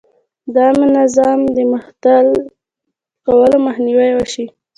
د عامه نظم د مختل کولو مخنیوی وشي.